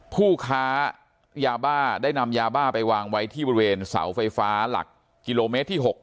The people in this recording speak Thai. ผู้ค้ายาบ้าได้นำยาบ้าไปวางไว้ที่บริเวณเสาไฟฟ้าหลักกิโลเมตรที่๖